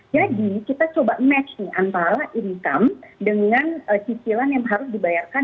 jadi kita coba match nih antara income dengan cicilan yang harus dibayarkan